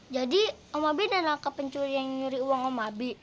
jadi om abi ada nangka pencuri yang nyuri uang om abi